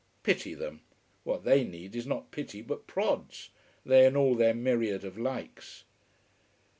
Pity them! What they need is not pity but prods: they and all their myriad of likes.